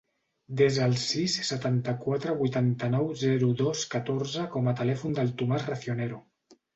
Desa el sis, setanta-quatre, vuitanta-nou, zero, dos, catorze com a telèfon del Tomàs Racionero.